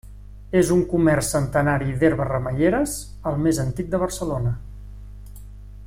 És un comerç centenari d'herbes remeieres, el més antic de Barcelona.